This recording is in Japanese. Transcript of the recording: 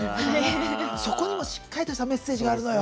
そこにも、しっかりとしたメッセージがあるのよ。